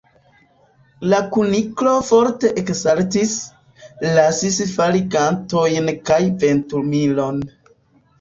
La Kuniklo forte eksaltis, lasis fali gantojn kaj ventumilon.